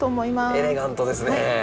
エレガントですね。